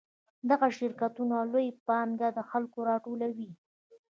دغه شرکتونه لویه پانګه له خلکو راټولوي